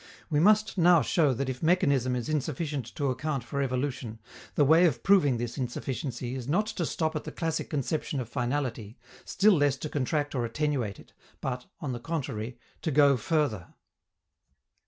We must now show that if mechanism is insufficient to account for evolution, the way of proving this insufficiency is not to stop at the classic conception of finality, still less to contract or attenuate it, but, on the contrary, to go further.